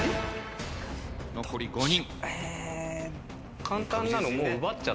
残り５人。